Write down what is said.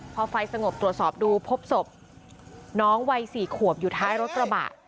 พอไฟสงบตรวจสอบดูพบศพน้องวัย๔ขวบอยู่ท้ายรถกระบะ